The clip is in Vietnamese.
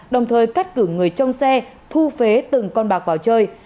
đồng thời cắt cử người trong xe thu phế từng con bạc vào chơi